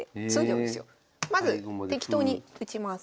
まず適当に打ちます。